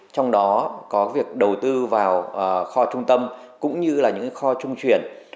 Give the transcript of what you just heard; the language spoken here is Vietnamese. trong đó có việc đầu tư vào kho trung tâm cũng như là những kho trung truyền